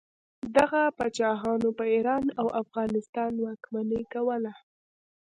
دغه پاچاهانو په ایران او افغانستان واکمني کوله.